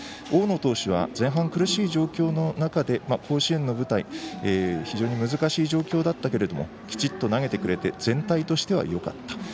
大野投手は前半苦しい状況の中で甲子園の舞台非常に難しい状況だったけれどきちっと投げてくれて全体としてはよかった。